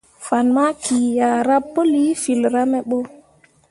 Fan maki ah ra pəli filra me ɓo.